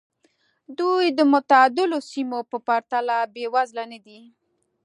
دوی د معتدلو سیمو په پرتله بېوزله نه دي.